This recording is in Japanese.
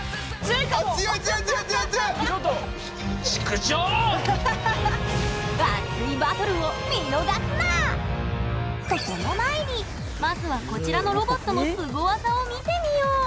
ちょっと！とその前にまずはこちらのロボットのスゴ技を見てみよう！